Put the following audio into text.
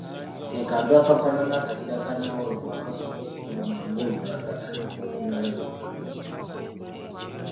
Ke kantu akafaanana akakira ka nnawolovu akasooka okufuluma ng'olulagala terunnalabika.